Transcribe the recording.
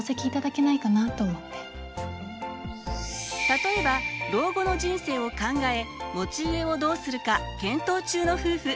例えば老後の人生を考え持ち家をどうするか検討中の夫婦。